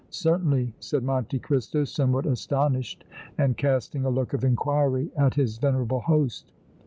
"Certainly," said Monte Cristo, somewhat astonished and casting a look of inquiry at his venerable host.